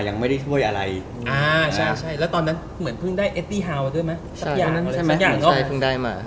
ถ้าได้เป๊บมาอาจจะไม่ได้มี